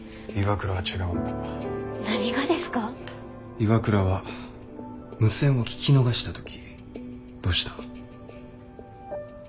岩倉は無線を聞き逃した時どうした？